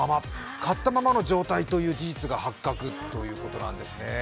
買ったままの状態という事実が発覚ということなんですね。